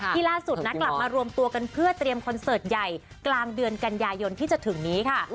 ล่าสุดนะกลับมารวมตัวกันเพื่อเตรียมคอนเสิร์ตใหญ่กลางเดือนกันยายนที่จะถึงนี้ค่ะ